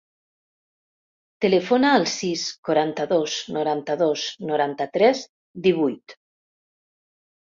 Telefona al sis, quaranta-dos, noranta-dos, noranta-tres, divuit.